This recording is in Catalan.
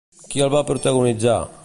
Qui el va protagonitzar?